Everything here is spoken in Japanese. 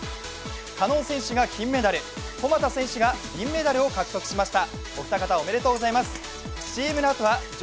加納選手が金メダル、古俣選手が銀メダルを獲得しました。